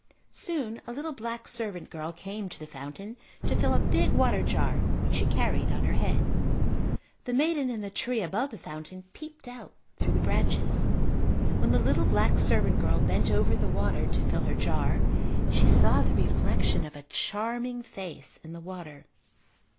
Soon a little black servant girl came to the fountain to fill a big water jar which she carried on her head. The maiden in the tree above the fountain peeped out through the branches. When the little black servant girl bent over the water to fill her jar she saw the reflection of a charming face in the water.